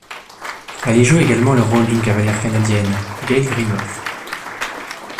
Elle y joue également le rôle d’une cavalière canadienne, Gail Greenough.